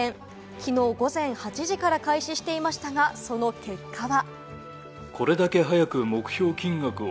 きのう午前８時から開始していましたが、その結果は？